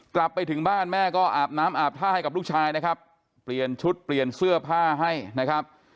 กลับไปถึงบ้านแม่ก็อาบน้ำอาบท่าให้กับลูกชายนะครับเปลี่ยนชุดเปลี่ยนเสื้อผ้าให้นะครับ